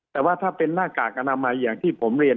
แต่ว่าถ้าเป็นหน้ากากอนามัยอย่างที่ผมเรียน